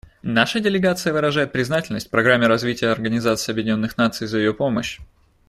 Наша делегация выражает признательность Программе развития Организации Объединенных Наций за ее помощь.